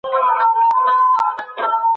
تاسي کله کندهاري کالي اغوندئ؟